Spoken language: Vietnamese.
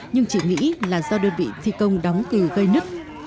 nhưng chỉ nghĩ là do đơn vị thi công đóng cử gây nứt